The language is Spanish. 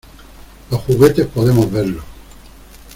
Los juguetes podemos verlo...